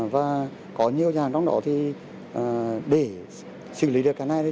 và có nhiều nhà trong đó thì để xử lý được cái này